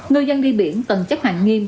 ngư dân đi biển cần chấp hành nghiêm